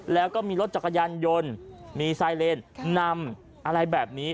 แล้วก็มีรถจักรยานยนต์มีไซเลนนำอะไรแบบนี้